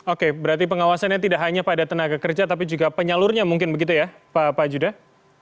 oke berarti pengawasannya tidak hanya pada tenaga kerja tapi juga penyalurnya mungkin begitu ya pak judah